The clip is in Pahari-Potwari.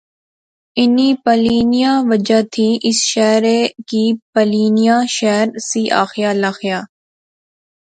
انیں پلیں نیاں وجہ تھی اس شہرے کی پلیں ناں شہر سی آخیا لخیا